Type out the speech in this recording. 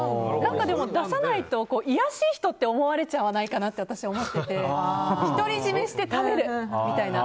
でも、出さないと卑しい人って思われちゃわないかなって私は思ってて独り占めして食べるみたいな。